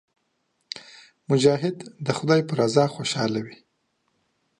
مجاهد د خدای په رضا خوشاله وي.